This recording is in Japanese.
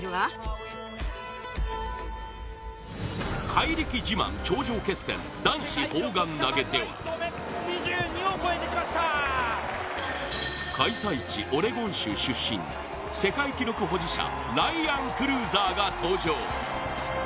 怪力自慢頂上決戦男子砲丸投げでは開催地オレゴン州出身世界記録保持者ライアン・クルーザーが登場。